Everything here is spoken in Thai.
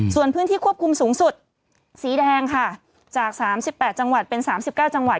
ส่วนพื้นที่ควบคุมสูงสุดสีแดงค่ะจากสามสิบแปดจังหวัดเป็นสามสิบเก้าจังหวัด